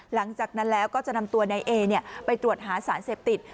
หลังจากนั้นแล้วก็จะนำตัวนายเอไปตรวจหาสารเสพติด